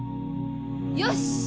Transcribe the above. よし！